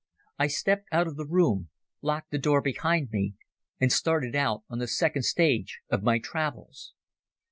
I stepped out of the room, locked the door behind me, and started out on the second stage of my travels.